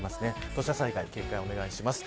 土砂災害に警戒をお願いします。